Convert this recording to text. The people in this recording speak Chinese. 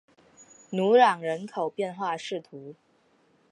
努朗人口变化图示